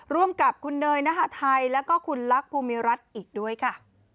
ร่วมกับคุณเนยนหาไทยแล้วก็คุณลักษ์ภูมิรัฐอีกด้วยค่ะ